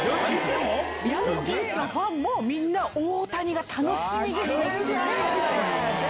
ヤンキースのファンもみんな、大谷が楽しみで来てて。